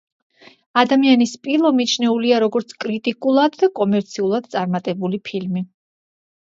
ადამიანი-სპილო მიჩნეულია როგორც კრიტიკულად და კომერციულად წარმატებული ფილმი.